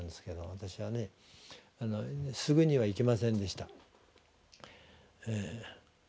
私はすぐには行きませんでした。